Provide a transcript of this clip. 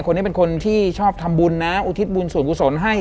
คนนี้เป็นคนที่ชอบทำบุญนะอุทิศบุญส่วนกุศลให้